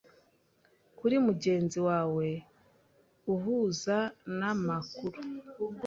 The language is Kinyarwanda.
kuri mugenzi wawe uhuza na makuru